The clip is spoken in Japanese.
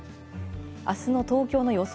あすの東京の予想